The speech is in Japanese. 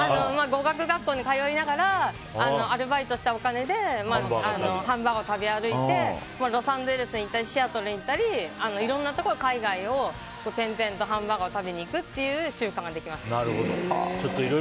語学学校に通いながらアルバイトしたお金でハンバーガーを食べ歩いてロサンゼルスに行ったりシアトルに行ったりいろんなところに海外を転々とハンバーガーを食べに行くという習慣ができました。